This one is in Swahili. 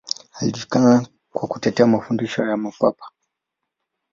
Alijulikana kwa kutetea mafundisho ya Mapapa.